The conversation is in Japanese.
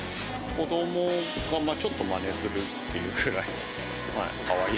子どもがちょっとまねするっていうくらいです。